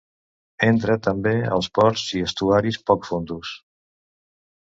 Entra, també, als ports i estuaris poc fondos.